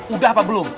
udah apa belum